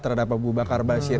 terhadap bumbakar bashir